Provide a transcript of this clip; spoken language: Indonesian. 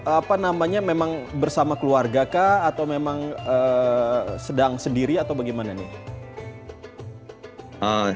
apa namanya memang bersama keluarga kah atau memang sedang sendiri atau bagaimana nih